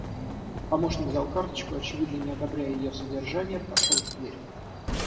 Помощник взял карточку и, очевидно, не одобряя ее содержание, прошел в дверь.